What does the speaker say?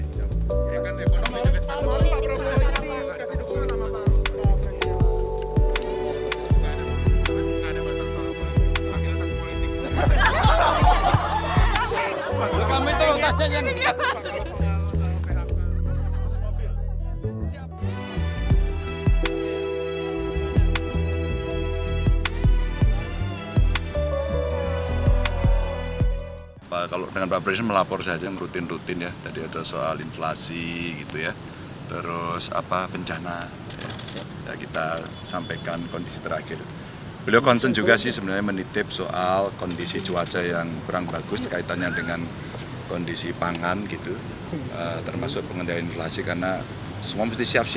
jangan lupa like share dan subscribe channel ini